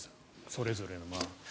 それぞれの。